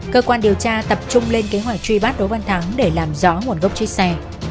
cơ quan điều tra tập trung lên kế hoạch truy bắt đỗ văn thắng để làm rõ nguồn gốc chiếc xe